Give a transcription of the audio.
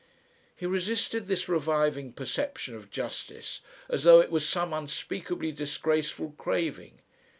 He resisted this reviving perception of justice as though it was some unspeakably disgraceful craving.